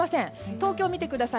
東京を見てください。